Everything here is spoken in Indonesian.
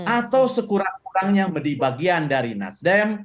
atau sekurang kurangnya di bagian dari nasdem